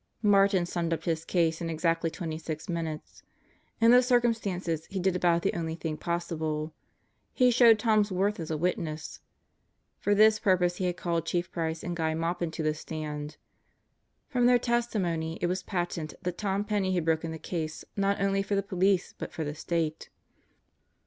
Martin summed up his case in exactly twenty six minutes. In the circumstances he did about the only thing possible. He showed Tom's worth as a witness. For this purpose he had called Chief Price and Guy Maupin to the stand. From their testimony it was patent that Tom Penney had broken the case not only for the police but for the State.